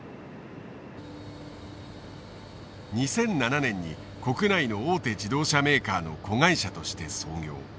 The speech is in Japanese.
２００７年に国内の大手自動車メーカーの子会社として創業。